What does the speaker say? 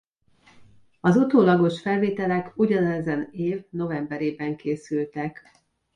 Az utólagos felvételek ugyanezen év novemberében készültek.